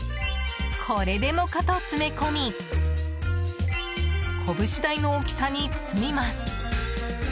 これでもかと詰め込みこぶし大の大きさに包みます。